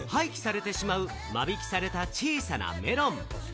本来、廃棄されてしまう、間引きされた小さなメロン。